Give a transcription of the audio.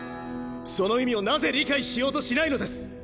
その意味をなぜ理解しようとしないのです！